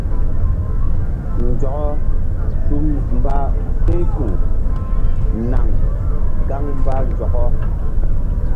Nzɔkɔ su mba kpehkpuh naŋ gaŋ mba nzɔkɔ.